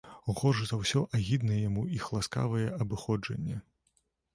Горш за ўсё агідна яму іх ласкавае абыходжанне.